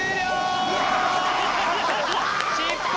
失敗！